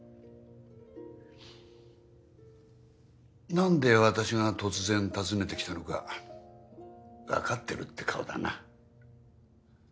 なんで私が突然訪ねてきたのかわかってるって顔だな。